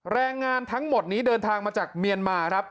แรงงานทั้งหมดนี้เดินทางมาจากเมียนมาครับ